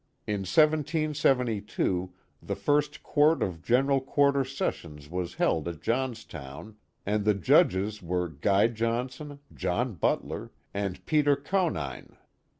In 1772 the first court of general quarter sessions was held at Johnstown, and the judges were Guy Johnson, John Butler, and Peter Conyne.